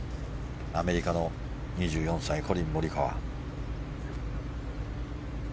アメリカの２４歳コリン・モリカワ。